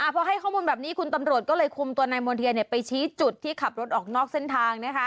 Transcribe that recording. พอให้ข้อมูลแบบนี้คุณตำรวจก็เลยคุมตัวนายมณ์เทียนไปชี้จุดที่ขับรถออกนอกเส้นทาง